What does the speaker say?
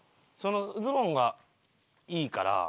そのズボンがいいから。